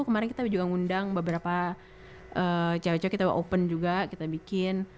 kemarin kita juga ngundang beberapa cewek cewek kita open juga kita bikin